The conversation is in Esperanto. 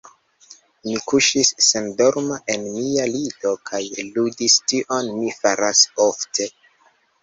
Mi kuŝis sendorma en mia lito kaj ludis; tion mi faras ofte.